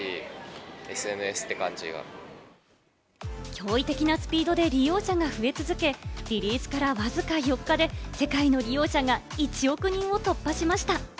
驚異的なスピードで利用者が増え続け、リリースからわずか４日で世界の利用者が１億人を突破しました。